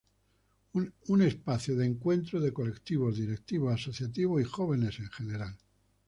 Un espacio de encuentro de colectivos, directivos asociativos y jóvenes en general.